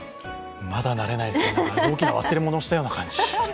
まだ慣れないですね、大きな忘れ物をしたような感じ。